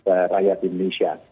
nasib rakyat di indonesia